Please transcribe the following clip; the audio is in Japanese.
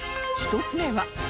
１つ目は